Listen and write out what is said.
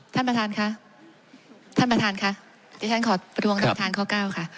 ท่านประธานค่ะท่านประธานค่ะดิฉันขอประท้วงท่านประธานข้อเก้าค่ะ